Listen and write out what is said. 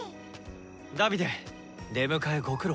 ダヴィデ出迎えご苦労。